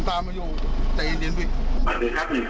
สวัสดีครับหนึ่งข้างหนึ่งเชียงใหม่